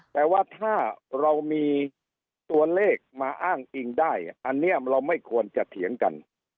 แต่ว่าถ้าเรามีตัวเลขมาอ้างอิงได้อันนี้เราไม่ควรจะเถียงกัน